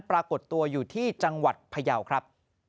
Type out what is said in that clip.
ปรากฏตัวอยู่ที่จังหวัดพยาวครับ